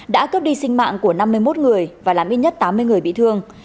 đã cướp đi sinh mạng của năm mươi một người và làm ít nhất tám mươi người bị thương